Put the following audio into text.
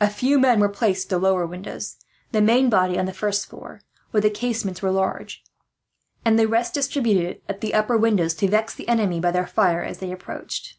A few men were placed at the lower windows; the main body on the first floor, where the casements were large; and the rest distributed at the upper windows, to vex the enemy by their fire, as they approached.